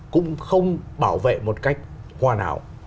cũng không bảo vệ một cách hoàn hảo